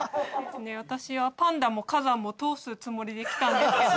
私は「パンダ」も「火山」も通すつもりで来たんですけど。